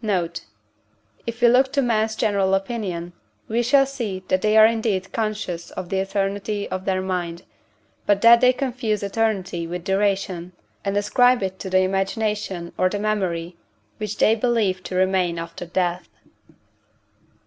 Note. If we look to men's general opinion, we shall see that they are indeed conscious of the eternity of their mind, but that they confuse eternity with duration, and ascribe it to the imagination or the memory which they believe to remain after death.